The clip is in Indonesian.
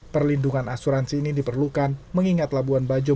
perlindungan asuransi ini diperlukan mengingat labuan bajo